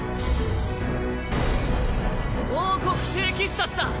王国聖騎士たちだ。